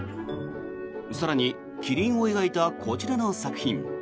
更にキリンを描いたこちらの作品。